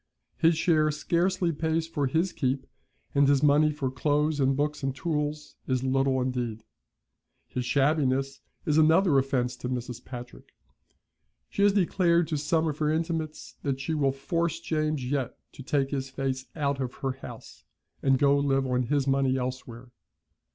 His share scarcely pays for his keep, and his money for clothes and books and tools is little indeed. His shabbiness is another offence to Mrs. Patrick. She has declared to some of her intimates that she will force James yet to take his face out of her house, and go live on his money elsewhere.